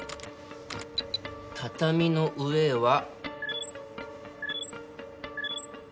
畳の上は。